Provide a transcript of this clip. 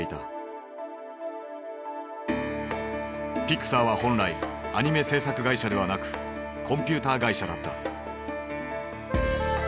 ピクサーは本来アニメ制作会社ではなくコンピューター会社だった。